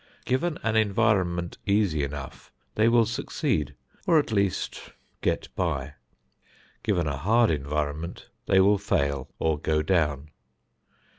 Given an environment easy enough they will succeed, or at least "get by." Given a hard environment they will fail, or "go down."